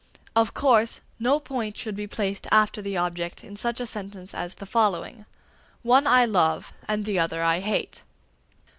Of course no point should be placed after the object in such a sentence as the following: "One I love, and the other I hate."